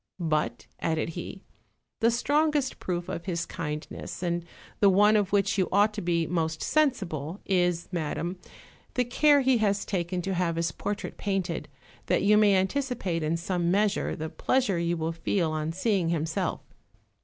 "But," added he, "the strongest proof of his kindness, and the one of which you ought to be most sensible, is, madam, the care he has taken to have his portrait painted, that you may anticipate in some measure the pleasure you will feel on seeing himself."